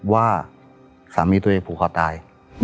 ว่าสามีตัวเองผูกคอตาย